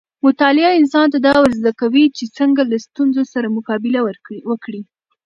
مطالعه انسان ته دا ورزده کوي چې څنګه له ستونزو سره مقابله وکړي.